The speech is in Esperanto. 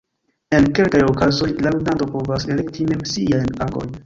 En kelkaj okazoj la ludanto povas elekti mem siajn agojn.